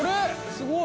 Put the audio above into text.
すごい！